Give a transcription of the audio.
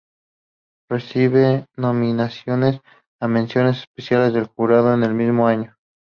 Recibe nominaciones a menciones especiales del jurado, en el mismo año.